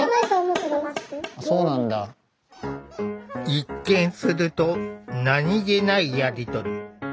一見すると何気ないやり取り。